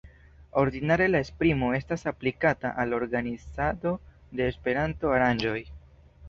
Ordinare la esprimo estas aplikata al organizado de Esperanto-aranĝoj.